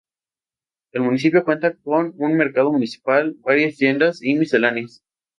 El municipio cuenta con un mercado municipal, varias tiendas y misceláneas.